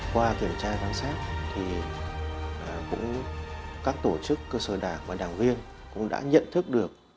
qua kiểm tra và quan sát các tổ chức cơ sở đảng và đảng viên cũng đã nhận thức được